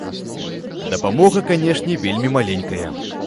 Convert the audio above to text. Дапамога, канешне, вельмі маленькая.